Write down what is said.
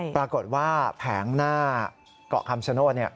ปรากฏว่าแผงหน้าเกาะคำชโนธ